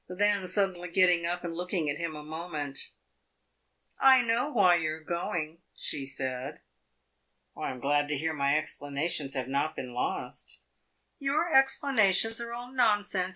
Then, suddenly getting up and looking at him a moment "I know why you are going," she said. "I am glad to hear my explanations have not been lost." "Your explanations are all nonsense.